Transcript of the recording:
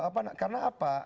jadi cuma karena apa